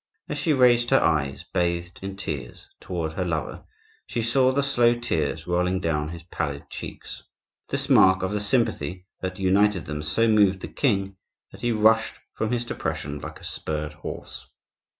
As she raised her eyes, bathed in tears, toward her lover, she saw the slow tears rolling down his pallid cheeks. This mark of the sympathy that united them so moved the king that he rushed from his depression like a spurred horse.